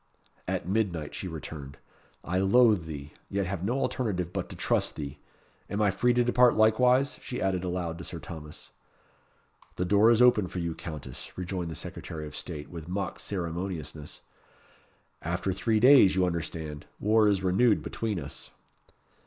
"At midnight," she returned. "I loathe thee, yet have no alternative but to trust thee. Am I free to depart likewise?" she added aloud to Sir Thomas. "The door is open for you, Countess," rejoined the Secretary of State, with mock ceremoniousness. "After three days, you understand, war is renewed between us."